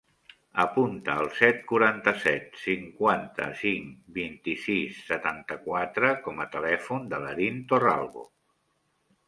Apunta el set, quaranta-set, cinquanta-cinc, vint-i-sis, setanta-quatre com a telèfon de l'Erin Torralbo.